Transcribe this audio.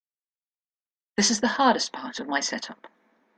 This is the hardest part of my setup.